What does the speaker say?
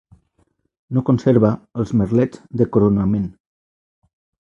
No conserva els merlets de coronament.